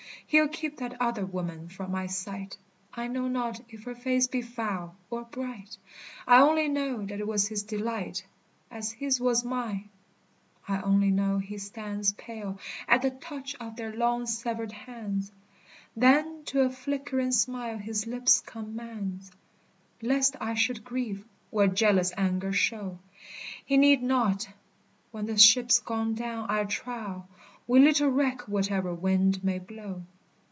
He'll keep that other woman from my sight. I know not if her face be foul or bright; I only know that it was his delight As his was mine; I only know he stands Pale, at the touch of their long severed hands, Then to a flickering smile his lips commands, Lest I should grieve, or jealous anger show. He need not. When the ship's gone down, I trow, We little reck whatever wind may blow.